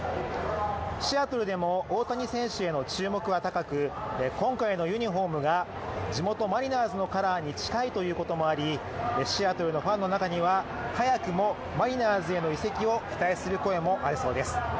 シアトルでも大谷選手への注目は高く今回のユニフォームが地元・マリナーズのカラーに近いということもありシアトルのファンの中には早くもマリナーズへの移籍を期待する声もありそうです。